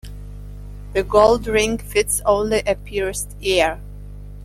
The gold ring fits only a pierced ear.